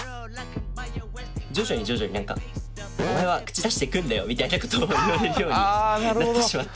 徐々に徐々に「お前は口出してくんなよ」みたいなことを言われるようになってしまって。